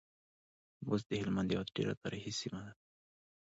بُست د هلمند يوه ډېره تاريخي سیمه ده.